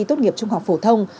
tốt nghiệp trung học phổ thông